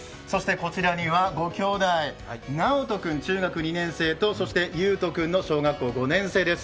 こちらにはご兄弟、直人君とそして悠人君の小学校４年生です。